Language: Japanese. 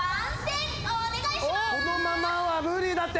このままは無理だって！